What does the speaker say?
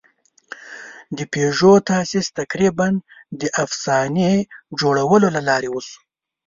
د پيژو تاسیس تقریباً د افسانې جوړولو له لارې وشو.